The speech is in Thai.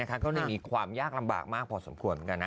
ก็มีความยากลำบากมากพอสมควร